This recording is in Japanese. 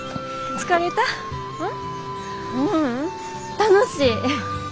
ううん楽しい！